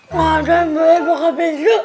makanya bapak bego